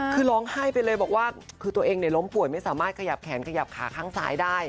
คือร้องไห้ไปเลยบอกว่าคือตัวเองล้มป่วยไม่สามารถขยับแขนขยับขาข้างซ้ายได้